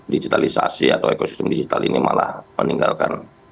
digitalisasi atau ekosistem digital ini malah meninggalkan